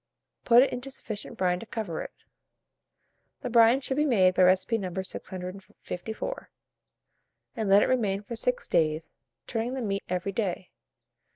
Put it into sufficient brine to cover it (the brine should be made by recipe No. 654), and let it remain for 6 days, turning the meat every day.